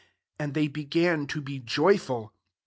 And they began to be ■ joyful.